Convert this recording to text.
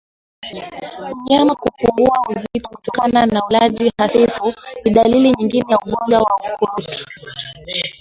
Mnyama kupungua uzito kutokana na ulaji hafifu ni dalili nyingine ya ugonjwa wa ukurutu